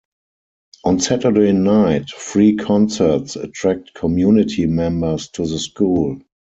On Saturday nights free concerts attract community members to the school.